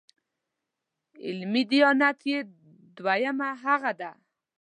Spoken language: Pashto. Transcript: علمي دیانت یې دویمه هغه ده.